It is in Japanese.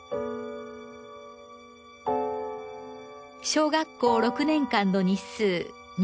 小学校６年間の日数